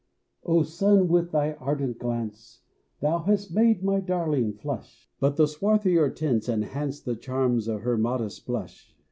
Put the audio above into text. O sun, with thy ardent glance, Thou hast made my darling flush! But the swarthier tints enhance The charms of her modest blush.